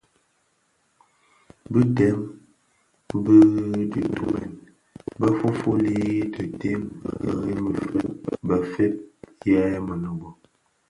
Bi dèm bi dhi tumèn bë fuufuli bë dhemi remi bëfëëg yè mënōbō.